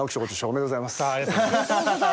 おめでとうございます。